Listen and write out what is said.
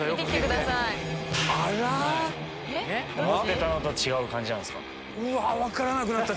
思ってたのと違う感じなんですか？